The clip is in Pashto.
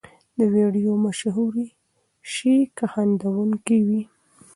ویډیو مشهورې شي که خندوونکې وي.